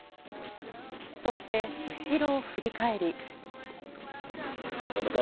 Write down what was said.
そして後ろを振り返り。